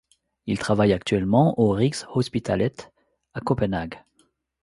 Il travaille actuellement au Rigshospitalet à Copenhague.